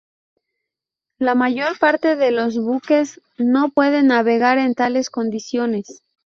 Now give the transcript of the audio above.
La mayor parte de los buques no pueden navegar en tales condiciones.